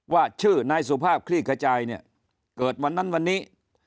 ว่าชื่อนายสุภาพคลี่ขจายเนี่ยเกิดวันนั้นวันนี้